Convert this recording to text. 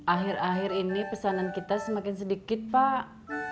akhir akhir ini pesanan kita semakin sedikit pak